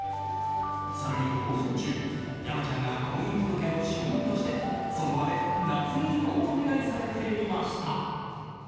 更に、放送中山ちゃんが婚姻届の証人として、その場で捺印をお願いされていました。